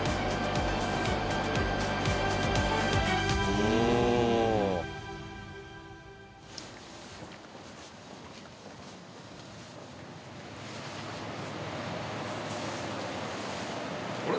おお。あれ？